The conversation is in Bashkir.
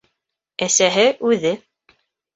Әсәһе үҙе